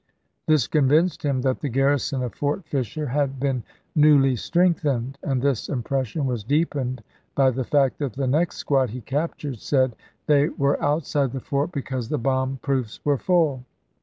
This con vinced him that the garrison of Fort Fisher had been newly strengthened, and this impression was deepened by the fact that the next squad he cap tured said they were outside the fort because the bomb proofs were full.